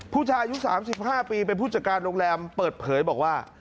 ผู้ชายอายุ๓๕ปีเป็นผู้จัดการโรงแรมเปิดเผยบอกว่า